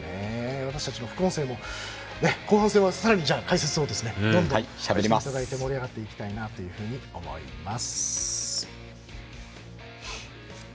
私たちの副音声も後半戦はさらに解説をしていただいて盛り上がっていきたいなと思います。